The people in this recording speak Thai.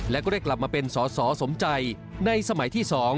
และก็ได้กลับมาเป็นสอสอสมใจในสมัยที่๒